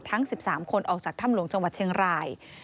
ทั้ง๑๓คนออกจากถ้ำหลวงจังหวัดเชียงราย